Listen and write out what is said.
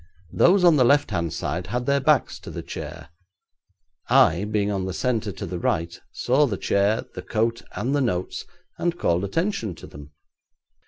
Those on the left hand side had their backs to the chair. I, being on the centre to the right, saw the chair, the coat, and the notes, and called attention to them.